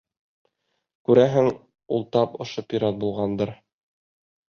Күрәһең, ул тап ошо пират булғандыр.